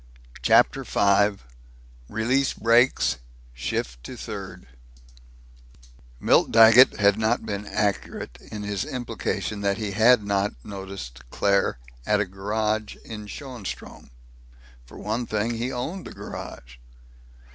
CHAPTER V RELEASE BRAKES SHIFT TO THIRD Milt Daggett had not been accurate in his implication that he had not noticed Claire at a garage in Schoenstrom. For one thing, he owned the garage.